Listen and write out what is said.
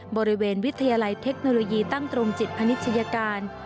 บริเวณวิทยาลัยเทคโนโลยีตั้งกรมจิตพนิชยการ